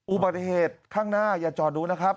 อุบัติเหตุข้างหน้าอย่าจอดดูนะครับ